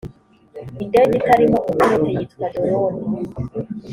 indege itarimo umupilote yitwa dorone.